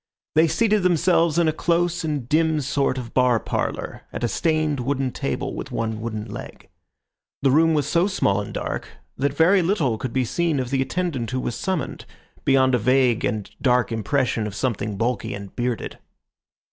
They seated themselves in a close and dim sort of bar parlour, at a stained wooden table with one wooden leg. The room was so small and dark, that very little could be seen of the attendant who was summoned, beyond a vague and dark impression of something bulky and bearded.